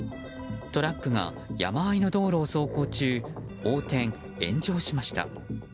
トラックが山あいの道路を走行中横転・炎上しました。